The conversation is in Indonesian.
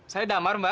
saya damar berpengen